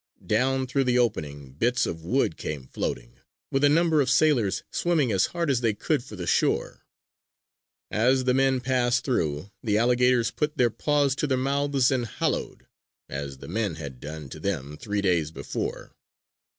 Down through the opening bits of wood came floating, with a number of sailors swimming as hard as they could for the shore. As the men passed through, the alligators put their paws to their mouths and holloed, as the men had done to them three days before.